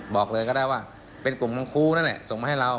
บอกเลยก็ได้ว่าเป็นกลุ่มของครูนั่นแหละส่งมาให้เรา